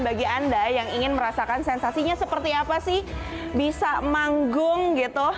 bagi anda yang ingin merasakan sensasinya seperti apa sih bisa manggung gitu